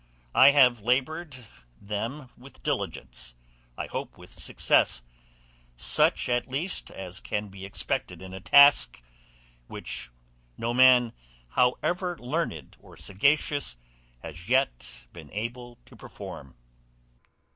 I have laboured them with diligence, I hope with success; such at least as can be expected in a task, which no man, however learned or sagacious, has yet been able to perform.